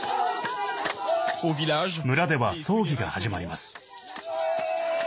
村では葬儀が始まります。